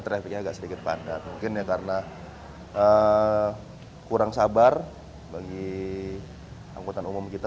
trafficnya agak sedikit padat mungkin ya karena kurang sabar bagi angkutan umum kita